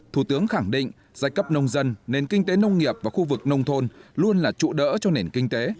thủ tướng khẳng định giai cấp nông dân nền kinh tế nông nghiệp và khu vực nông thôn luôn là trụ đỡ cho nền kinh tế